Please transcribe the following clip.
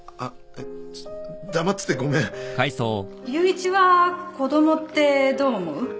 祐一は子供ってどう思う？